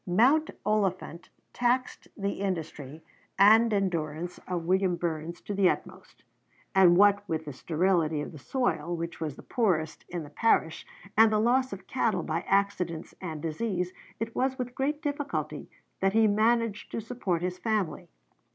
] Mount Oliphant taxed the industry and endurance of William Burness to the utmost; and what with the sterility of the soil, which was the poorest in the parish, and the loss of cattle by accidents and disease, it was with great difficulty that he managed to support his family.